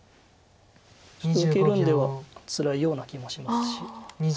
受けるんではつらいような気もしますし。